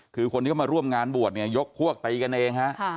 คือคนที่เขามาร่วมงานบวชเนี่ยยกพวกตีกันเองฮะ